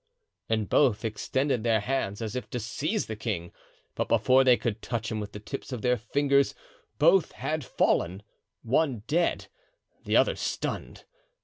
And both extended their hands as if to seize the king, but before they could touch him with the tips of their fingers, both had fallen, one dead, the other stunned.